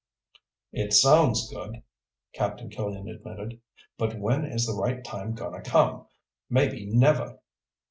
"It sounds good," Captain Killian admitted. "But when is the right time going to come? Maybe never."